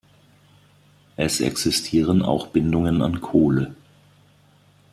Es existieren auch Bindungen an Kohle.